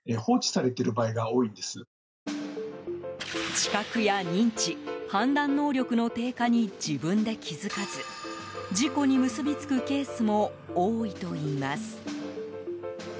知覚や認知、判断能力の低下に自分で気づかず事故に結びつくケースも多いといいます。